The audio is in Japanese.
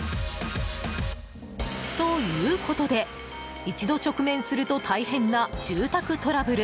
ということで、一度直面すると大変な住宅トラブル。